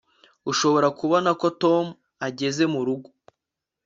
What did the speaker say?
urashobora kubona ko tom ageze murugo